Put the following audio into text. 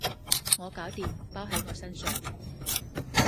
我搞掂，包喺我身上